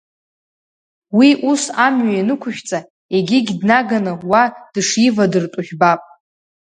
Уи ус амҩа ианықәышәҵа, егьигь днаганы уа дышивадыртәо жәбап.